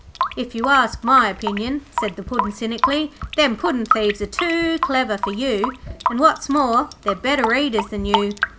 'If you ask my opinion,' said the Puddin' cynically, 'them puddin' thieves are too clever for you; and, what's more, they're better eaters than you.